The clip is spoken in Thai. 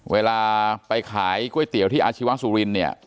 เวลาไปขายก๋วยเตี๋ยวที่อาชีวะสุรินเนี่ย